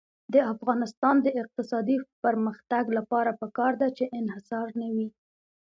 د افغانستان د اقتصادي پرمختګ لپاره پکار ده چې انحصار نه وي.